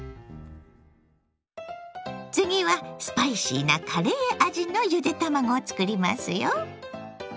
次はスパイシーなカレー味のゆで卵を作りますよ。